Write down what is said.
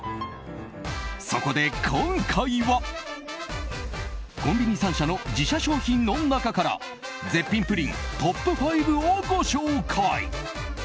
そこで今回は、コンビニ３社の自社商品の中から絶品プリントップ５をご紹介。